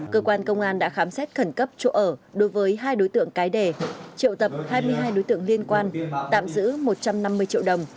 cơ quan công an đã khám xét khẩn cấp chỗ ở đối với hai đối tượng cái đề triệu tập hai mươi hai đối tượng liên quan tạm giữ một trăm năm mươi triệu đồng